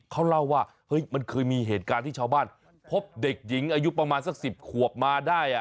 เขาเล่าว่าเฮ้ยมันเคยมีเหตุการณ์ที่ชาวบ้านพบเด็กหญิงอายุประมาณสัก๑๐ขวบมาได้